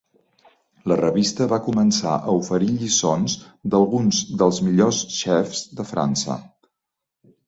La revista va començar a oferir lliçons d'alguns dels millors xefs de França.